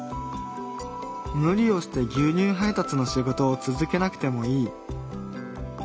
無理をして牛乳配達の仕事を続けなくてもいい。